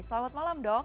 selamat malam dok